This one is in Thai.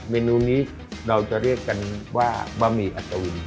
เมนูนี้เราจะเรียกกันว่าบะหมี่อตูม